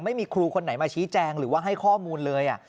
ไม่มีครูคนไหนมาชี้แจงหรือว่าให้ข้อมูลเลย